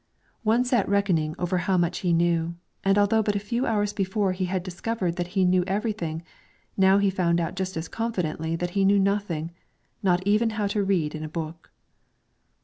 One sat reckoning over how much he knew; and although but a few hours before he had discovered that he knew everything, now he found out just as confidently that he knew nothing, not even how to read in a book.